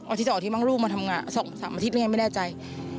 อาทิตย์สองเอาลูกมันทำงานสองสามอาทิตย์ไม่แน่ใจ